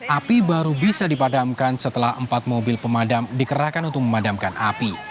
api baru bisa dipadamkan setelah empat mobil pemadam dikerahkan untuk memadamkan api